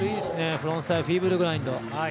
フロントサイドフィーブルグラインド。